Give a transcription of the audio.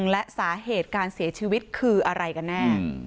และสาเหตุการเสียชีวิตคืออะไรกันแน่